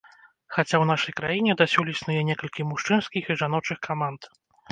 Хаця ў нашай краіне дасюль існуе некалькі мужчынскіх і жаночых каманд.